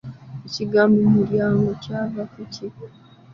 Ekigambo mulyango kyava ku ki?